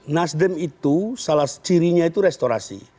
nasdem itu salah cirinya itu restorasi